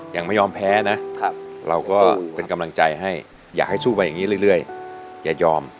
ยังไม่ยอมแพ้นะเราก็เป็นกำลังใจให้อยากให้สู้ไปอย่างนี้เรื่อยอย่ายอม